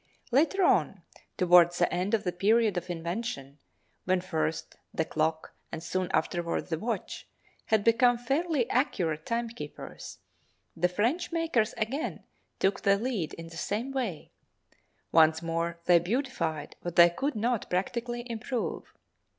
Later on, toward the end of the period of invention, when first, the clock, and soon afterward, the watch, had become fairly accurate timekeepers, the French makers again took the lead in the same way; once more they beautified what they could not practically improve.